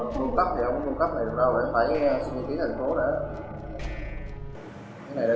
cung cấp thì không cung cấp thì đâu để phải suy nghĩ kỹ thành phố nữa